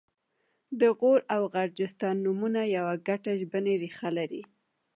د غور او غرجستان نومونه یوه ګډه ژبنۍ ریښه لري